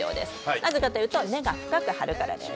なぜかというと根が深く張るからです。